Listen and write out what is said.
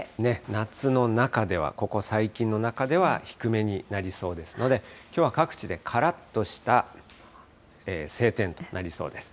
夏の中ではここ最近の中では低めになりそうですので、きょうは各地でからっとした晴天となりそうです。